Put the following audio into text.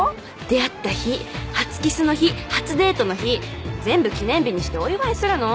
出会った日初キスの日初デートの日全部記念日にしてお祝いするの。